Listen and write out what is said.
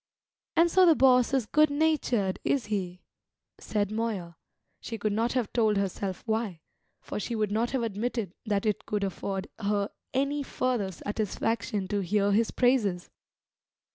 "And so the boss is good natured, is he?" said Moya, she could not have told herself why; for she would not have admitted that it could afford her any further satisfaction to hear his praises.